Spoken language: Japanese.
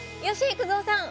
幾三さん？